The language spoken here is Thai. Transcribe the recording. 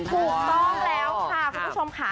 ถูกต้องแล้วค่ะคุณผู้ชมค่ะ